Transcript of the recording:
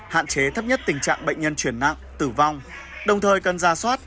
hạn chế thấp nhất tình trạng bệnh nhân chuyển nặng tử vong đồng thời cần ra soát